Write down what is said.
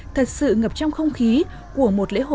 thật sự ngập trong không khí của một hội truyền thống